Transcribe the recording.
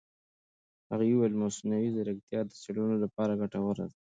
هغې وویل مصنوعي ځیرکتیا د څېړنو لپاره ګټوره ده.